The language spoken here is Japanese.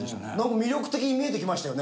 魅力的に見えてきましたよね。